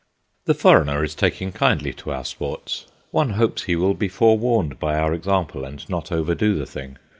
The foreigner is taking kindly to our sports; one hopes he will be forewarned by our example and not overdo the thing.